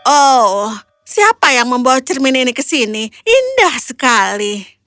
oh siapa yang membawa cermin ini ke sini indah sekali